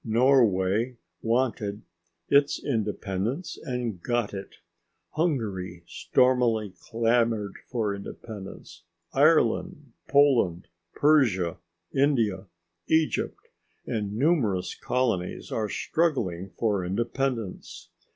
Norway wanted its independence and got it. Hungary stormily clamoured for independence. Ireland, Poland, Persia, India, Egypt, and numerous colonies are struggling for independence.